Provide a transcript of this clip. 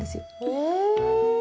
へえ。